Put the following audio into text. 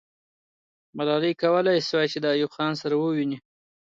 ملالۍ کولای سوای چې د ایوب خان سره وویني.